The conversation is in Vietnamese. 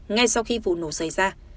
ngay sau khi vụ nổ xảy ra